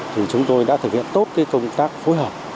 thì chúng tôi đã thực hiện tốt cái công tác phối hợp